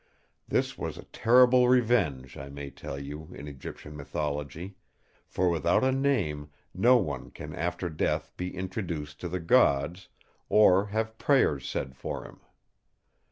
This was a terrible revenge, I may tell you, in Egyptian mythology; for without a name no one can after death be introduced to the Gods, or have prayers said for him.